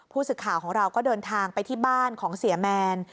ผู้สื่อข่าวของเราก็เดินทางไปที่บ้านของเสียแมน